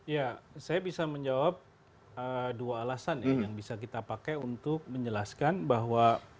ya saya bisa menjawab dua alasan ya yang bisa kita pakai untuk menjelaskan bahwa